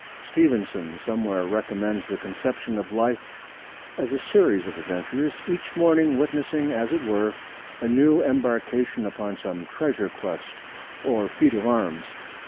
Stevenson somewhere recommends the conception of life as a series of adventures, each morning witnessing as it were a new embarkation upon some treasure quest or feat of arms.